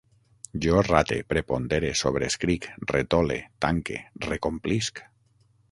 Jo rate, prepondere, sobreescric, retole, tanque, recomplisc